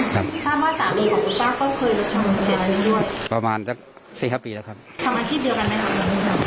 ทำอาชีพเดียวกันไหมครับ